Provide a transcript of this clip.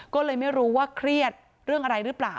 ก็เลยไม่รู้ว่าเครียดเรื่องอะไรหรือเปล่า